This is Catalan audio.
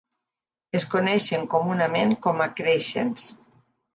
Es coneixen comunament com a créixens.